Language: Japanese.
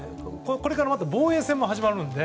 これからまた防衛戦も始まるので。